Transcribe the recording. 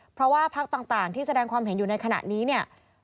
เพราะว่าพักต่างที่แสดงความเห็นอยู่ในขณะนี้เนี่ย